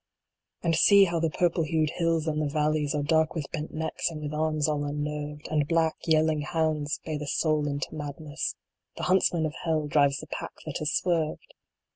And see how the purple hued hills and the valleys Are dark with bent necks and with arms all unnerved ; And tlack, yelling hounds bay the soul into madness The Huntsman of Hell drives the pack that has swerved